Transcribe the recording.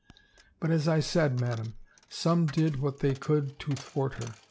" But as I said, madame, some did what they could to thwart her.